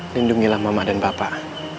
lindungilah mama dan bapak